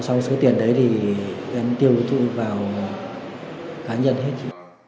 xong số tiền đấy thì em tiêu thụ vào cá nhân hết